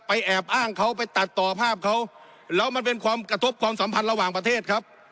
แอบอ้างเขาไปตัดต่อภาพเขาแล้วมันเป็นความกระทบความสัมพันธ์ระหว่างประเทศครับ